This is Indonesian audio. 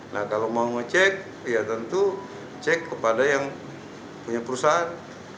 nah kalau mau ngecek ya tentu cek kepada yang punya perusahaan